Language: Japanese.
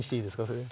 それ。